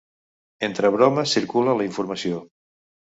Entre bromes circula la informació.